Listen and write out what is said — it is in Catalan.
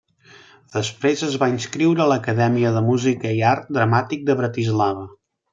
Després es va inscriure a l'Acadèmia de Música i Art Dramàtic de Bratislava.